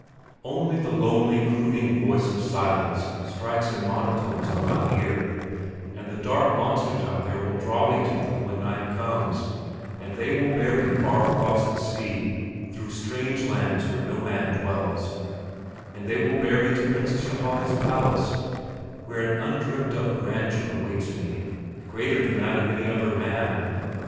Only the lonely, crooning voice of silence strikes in monotones on my ear, and the dark monsters out there will draw me to them when night comes, and they will bear me far across the sea, through strange lands where no man dwells, and they will bear me to Princess Ylajali's palace, where an undreamt of grandeur awaits me, greater than that of any other man.